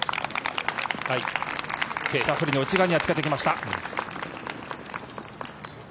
シャフリーの内側につけてきました。